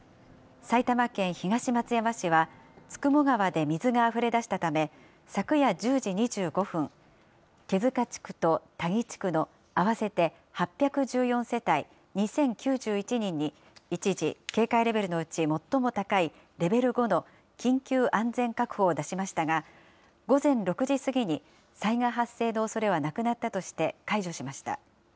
埼玉県東松山市は、九十九川で水があふれだしたため、昨夜１０時２５分、毛塚地区と田木地区の合わせて８１４世帯２０９１人に、一時警戒レベルのうち最も高いレベル５の緊急安全確保を出しましたが、午前６時過ぎに、災害発生のおそれはなくなったとして解除しました。